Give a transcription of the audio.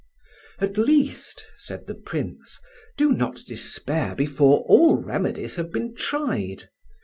"At least," said the Prince, "do not despair before all remedies have been tried.